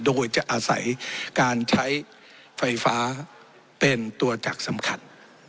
โดยจะอาศัยการใช้ไฟฟ้าเป็นตัวจักรสำคัญ